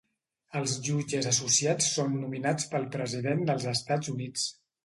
Els jutges associats són nominats pel president dels Estats Units.